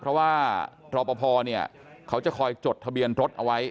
เพราะว่ารอปภเขาจะคอยจดทะเบียนรถเอาไว้